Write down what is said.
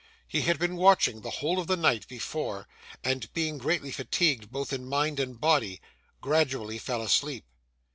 He had been watching the whole of the night before, and being greatly fatigued both in mind and body, gradually fell asleep.